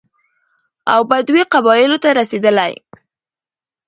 او بدوي قبايلو ته رسېدلى،